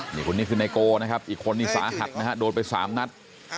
นี่คนนี้คือไนโกนะครับอีกคนนี่สาหัสนะฮะโดนไป๓นัด